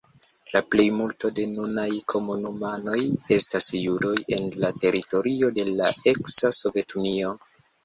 La plejmulto de nunaj komunumanoj estas judoj el la teritorio de la eksa Sovetunio.